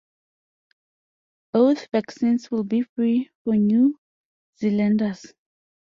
Both vaccines will be free for New Zealanders.